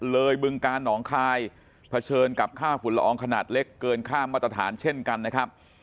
บึงกาลหนองคายเผชิญกับค่าฝุ่นละอองขนาดเล็กเกินค่ามาตรฐานเช่นกันนะครับ